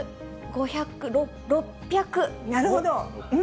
なるほど。